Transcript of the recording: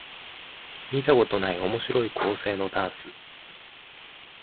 見たことない面白い構成のダンス